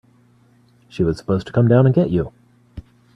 She was supposed to come down and get you.